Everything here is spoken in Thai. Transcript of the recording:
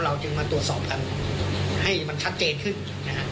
เราจึงมาตรวจสอบกันให้มันชัดเจนขึ้น